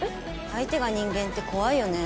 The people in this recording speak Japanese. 相手が人間って怖いよね